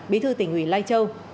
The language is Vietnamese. bí thư tỉnh ủy lai châu